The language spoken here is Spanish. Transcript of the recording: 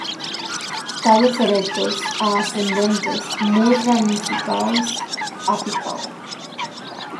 Tallos erectos a ascendentes, muy ramificados apical.